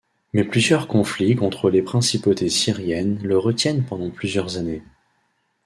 Mais plusieurs conflits contre les principautés syriennes le retiennent pendant plusieurs années.